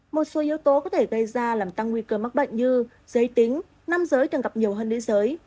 một số yếu tố có thể gây ra làm tăng nguy cơ mắc bệnh như giới tính năm giới cần gặp nhiều hơn lễ giới